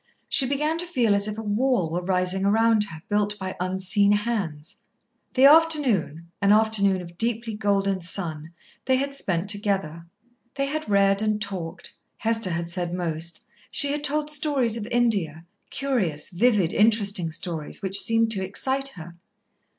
She began to feel as if a wall were rising around her, built by unseen hands. The afternoon, an afternoon of deeply golden sun, they had spent together. They had read and talked. Hester had said most. She had told stories of India, curious, vivid, interesting stories, which seemed to excite her.